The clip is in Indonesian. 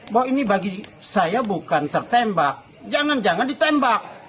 bahwa ini bagi saya bukan tertembak jangan jangan ditembak